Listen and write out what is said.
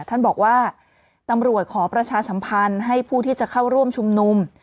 ท่านบอกว่าตำรวจขอประชาสัมพันธ์ให้ผู้ที่จะเข้าร่วมชุมนุม